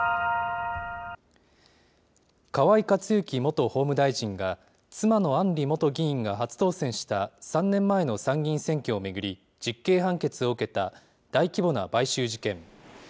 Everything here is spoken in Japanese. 河井克行元法務大臣が、妻の案里元議員が初当選した３年前の参議院選挙を巡り、実刑判決を受けた大規模な買収事件。